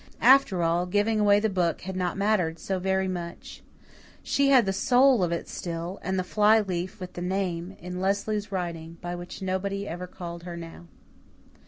After all, giving away the book had not mattered so very much. She had the soul of it still and the fly leaf with the name, in Leslie's writing, by which nobody ever called her now.